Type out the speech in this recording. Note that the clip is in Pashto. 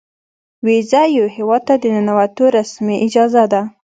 ویزه یو هیواد ته د ننوتو رسمي اجازه ده.